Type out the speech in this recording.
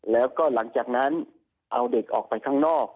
แล้วก็หลังจากนั้นเอาเด็กออกไปข้างนอก